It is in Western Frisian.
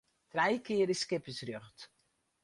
Trije kear is skippersrjocht.